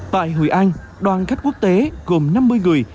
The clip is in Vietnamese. tại hội anh đoàn khách quốc tế gồm năm mươi người